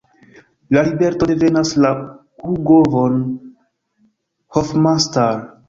La libreto devenas de Hugo von Hofmannsthal.